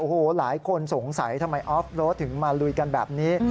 โอ้โหหลายคนสงสัยทำไมออฟโรดถึงมาลุยกันแบบนี้